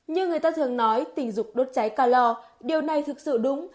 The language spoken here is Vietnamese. như người ta thường nói tình dục đốt cháy cao lo điều này thực sự đúng